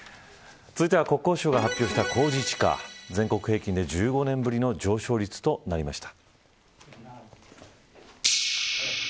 続いては国交省が発表した公示地価全国平均で１５年ぶりの上昇率となりました。